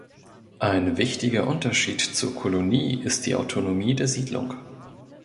Ein wichtiger Unterschied zur Kolonie ist die Autonomie der Siedlung.